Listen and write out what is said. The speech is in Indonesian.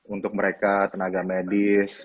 untuk mereka tenaga medis